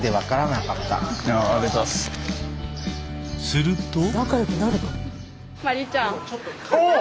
すると。